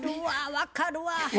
分かるわ。